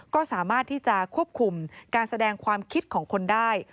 ก็สามารถที่จะควบคุมการแสดงความคิดของคนได้